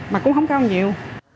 mà cũng không cao nhiều